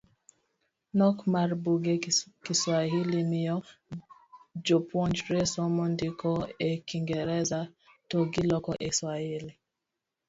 Nok mar buge kiwahili miyo Jopuonjre somo ndiko e kingresa to giloko e Swahili.